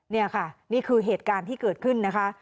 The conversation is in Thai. นี่ค่ะนี่คือเหตุการณ์ที่เกิดขึ้นนะคะ